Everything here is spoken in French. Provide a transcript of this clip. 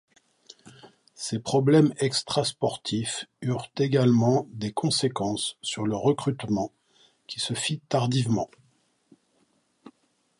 Ces problèmes extra-sportifs eurent également des conséquences sur le recrutement qui se fit tardivement.